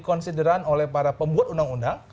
konsideran oleh para pembuat undang undang